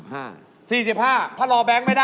เอาคนไหน